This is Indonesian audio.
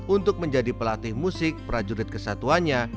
untuk menjadi pelatih musik prajurit kesatuannya